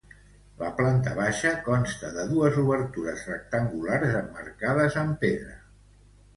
La planta baixa consta de dues obertures rectangulars emmarcades amb pedra.